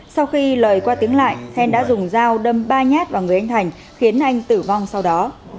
sau khi lời qua tiếng lại then đã dùng dao đâm ba nhát vào người anh thành khiến anh tử vong sau đó